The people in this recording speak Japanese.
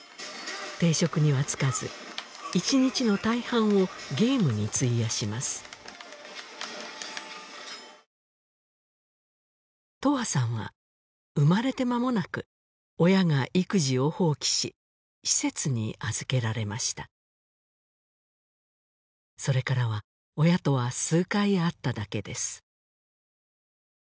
定職には就かず１日の大半をゲームに費やします永遠さんは生まれて間もなく親が育児を放棄し施設に預けられましたそれからは親とは数回会っただけです